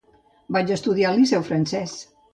Vaig estudiar al Liceu Francès.